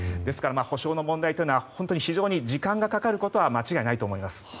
補償の問題というのは本当に時間がかかることは間違いないと思います。